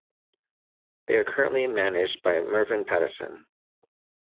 They are currently managed by Mervyn Pattison.